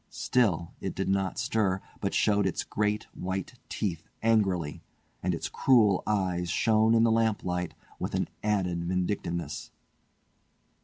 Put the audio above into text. Still it did not stir, but showed its great white teeth angrily, and its cruel eyes shone in the lamplight with an added vindictiveness.